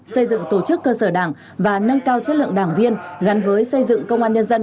xây dựng tổ chức cơ sở đảng và nâng cao chất lượng đảng viên gắn với xây dựng công an nhân dân